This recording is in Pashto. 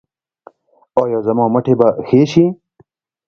ایا زما مټې به ښې شي؟